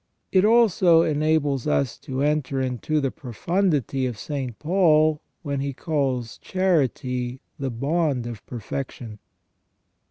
It also enables us to enter into the profundity of St. Paul, when he calls charity the bond of perfection.